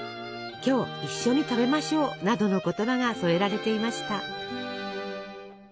「今日一緒に食べましょう」などの言葉が添えられていました。